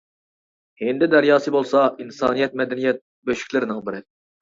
ھىندى دەرياسى بولسا ئىنسانىيەت مەدەنىيەت بۆشۈكلىرىنىڭ بىرى.